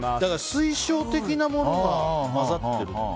水晶的なものが混ざっている。